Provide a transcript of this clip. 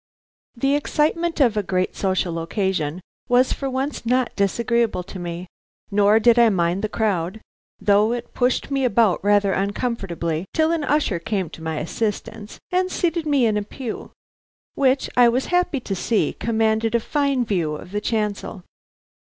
The excitement of a great social occasion was for once not disagreeable to me, nor did I mind the crowd, though it pushed me about rather uncomfortably till an usher came to my assistance and seated me in a pew, which I was happy to see commanded a fine view of the chancel.